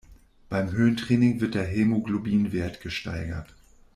Beim Höhentraining wird der Hämoglobinwert gesteigert.